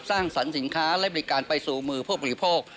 สรรสินค้าและบริการไปสู่มือผู้บริโภค